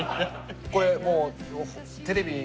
これもうテレビ。